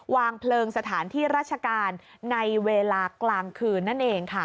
วางเพลิงสถานที่ราชการในเวลากลางคืนนั่นเองค่ะ